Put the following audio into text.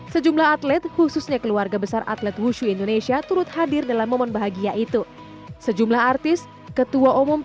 sejumlah atlet khususnya keluarga besar atlet wushu indonesia turut hadir dalam momen bahagia itu